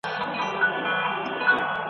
چي د بل په زور اسمان ته پورته کیږي !.